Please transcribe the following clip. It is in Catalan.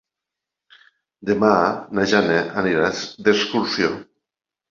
Demà na Jana anirà d'excursió.